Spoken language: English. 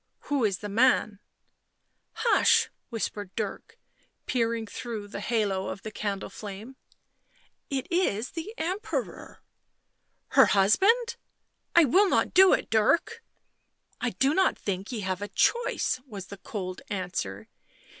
" Who is the man V " Hush !" whispered Dirk, peering through the halo of the candle flame. " It is the Emperor." " Her husband ! I will not do it, Dirk !"" I do not think ye have a choice," was the cold answer.